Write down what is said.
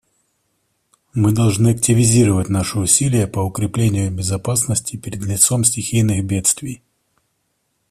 Мы должны активизировать наши усилия по укреплению безопасности перед лицом стихийных бедствий.